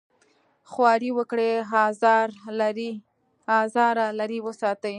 خواري وکړي ازاره لرې وساتي.